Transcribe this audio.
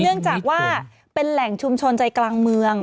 เนื่องจากว่าเป็นแหล่งชุมชนใจกลางเมือง